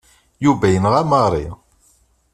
Yuba yenɣa Mary.